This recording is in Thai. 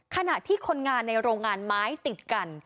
ขณะที่คนงานในโรงงานไม้ติดกัน